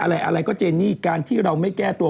อะไรอะไรก็เจนี่การที่เราไม่แก้ตัว